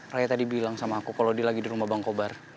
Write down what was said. raya tadi bilang sama aku kalau dia lagi di rumah bang kobar